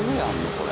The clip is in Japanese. これ。